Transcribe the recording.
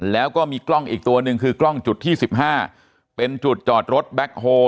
แล้วก็มีกล้องอีกตัวหนึ่งคือกล้องจุดที่๑๕เป็นจุดจอดรถแบ็คโฮ